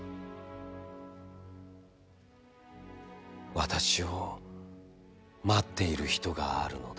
私を、待っている人があるのだ。